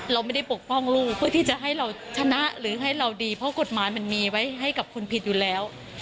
เราไม่ได้ปกป้องลูกเพื่อที่จะให้เราชนะหรือให้เราดีเพราะกฎหมายมันมีไว้ให้กับคนผิดอยู่แล้ว